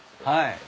はい。